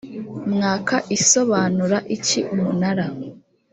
mwaka isobanura iki umunara